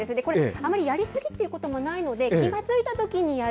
あまりやり過ぎってこともないので、気が付いたときにやる。